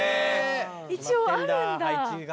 一応あるんだ。